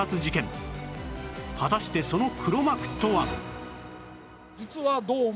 果たしてその黒幕とは！？